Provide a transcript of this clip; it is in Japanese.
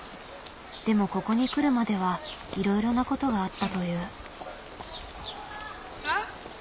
でもここに来るまではいろいろなことがあったという。